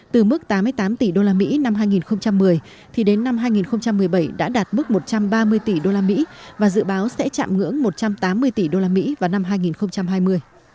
từ mức tám mươi tám tỷ đô la mỹ năm hai nghìn một mươi thì đến năm hai nghìn một mươi bảy đã đạt mức một trăm ba mươi tỷ đô la mỹ và dự báo sẽ chạm ngưỡng một trăm tám mươi tỷ đô la mỹ vào năm hai nghìn hai mươi